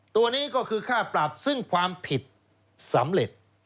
ตัวนี้ก็คือค่าปรับซึ่งความผิดสำเร็จ